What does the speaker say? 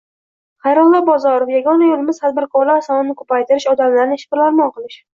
Xayrullo Bozorov: “Yagona yo‘limiz – tadbirkorlar sonini ko‘paytirish, odamlarni ishbilarmon qilish”